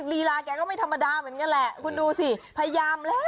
ลีลาแกก็ไม่ธรรมดาเหมือนกันแหละคุณดูสิพยายามแล้ว